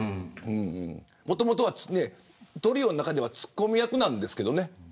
もともとはトリオの中ではツッコミ役なんですけどね。